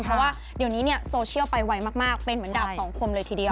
เพราะว่าเดี๋ยวนี้เนี่ยโซเชียลไปไวมากเป็นเหมือนดาบสองคมเลยทีเดียว